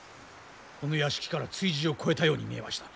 この屋敷から築地を越えたように見えました。